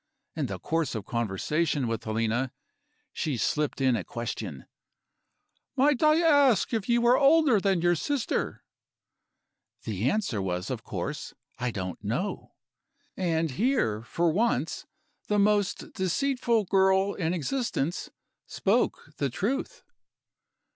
In the course of conversation with Helena, she slipped in a question: 'Might I ask if you are older than your sister?' The answer was, of course: 'I don't know.' And here, for once, the most deceitful girl in existence spoke the truth.